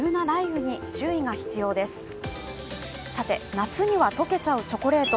夏には溶けちゃうチョコレート。